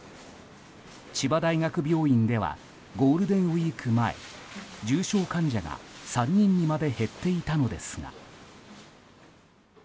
千葉大学病院ではゴールデンウィーク前重症患者が３人にまで減っていたのですが。